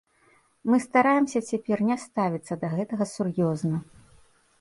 Мы стараемся цяпер не ставіцца да гэтага сур'ёзна.